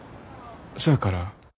そやから。